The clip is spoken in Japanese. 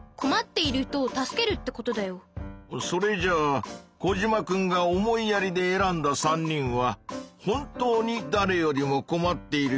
それじゃあコジマくんが「思いやり」で選んだ３人は本当にだれよりもこまっている人たちなんだね？